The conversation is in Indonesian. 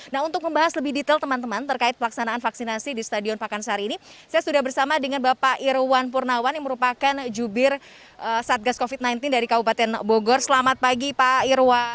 nah untuk membahas lebih detail teman teman terkait pelaksanaan vaksinasi di stadion pakansari ini saya sudah bersama dengan bapak irwan purnawan yang merupakan jubir satgas covid sembilan belas dari kabupaten bogor selamat pagi pak irwan